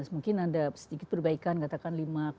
mungkin anda sedikit perbaikan katakan lima lima